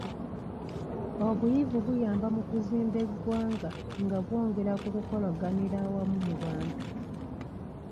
Obuyivu buyamba mu kuzimba eggwanga nga bwongera ku kukolaganira awamu mu bantu.